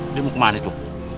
ade mau kemana tuh